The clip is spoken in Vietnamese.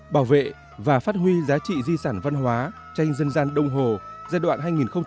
bảo vệ và phát huy giá trị di sản văn hóa tranh dân gian đông hồ giai đoạn hai nghìn một mươi sáu hai nghìn hai mươi